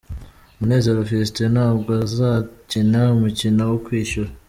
Munezero Fiston ntabwo azakina umukino wo kwishyura .